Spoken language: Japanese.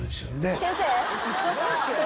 先生。